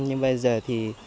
nhưng bây giờ thì